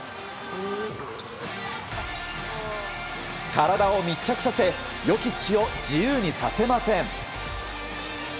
体を密着させヨキッチを自由にさせません。